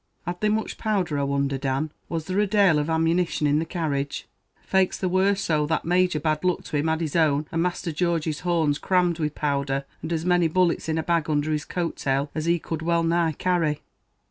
"Had they much powdher I wonder, Dan? Was there a dail of ammunition in the carriage?" "Faix their war so; that Major, bad luck to him, had his own and Master George's horns crammed with powdher, and as many bullets in a bag under his coat tail as he could well nigh carry."